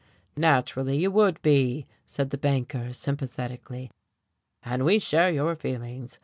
"Naturally you would be," said the banker, sympathetically, "and we share your feelings.